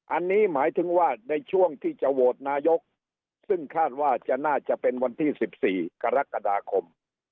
อันนี้หมายถึงว่าในช่วงที่จะโหวตนายกซึ่งคาดว่าจะน่าจะเป็นวันที่๑๔กรกฎาคม